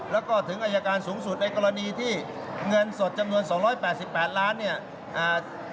แล้วก็ถึงอายการสูงสุดในกรณีที่เงินสดจำนวน๒๘๘ล้านเนี่ย